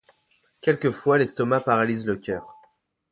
Quelquefois l’estomac paralyse le cœur.